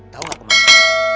tau nggak kemana